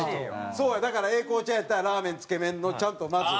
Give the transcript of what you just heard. そうやだから英孝ちゃんやったら「ラーメンつけ麺」のちゃんとまず。